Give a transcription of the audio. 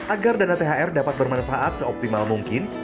agar dana thr dapat bermanfaat seoptimal mungkin